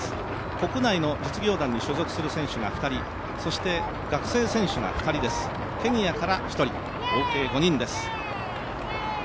国内の実業団に所属する選手が２人そして、学生選手が２人です、ケニアから１人合計５人です。